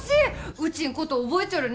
うちん事覚えちょるね？